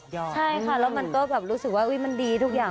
ใช่ค่ะแล้วมันก็แบบรู้สึกว่ามันดีทุกอย่าง